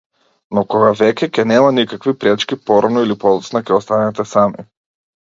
Но кога веќе ќе нема никакви пречки, порано или подоцна ќе останете сами!